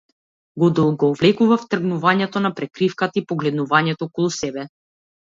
Го одолговлекував тргнувањето на прекривката и погледнувањето околу себе.